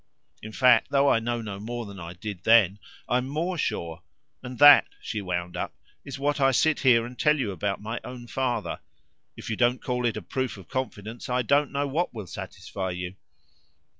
In fact, though I know no more than I did then, I'm more sure. And that," she wound up, "is what I sit here and tell you about my own father. If you don't call it a proof of confidence I don't know what will satisfy you."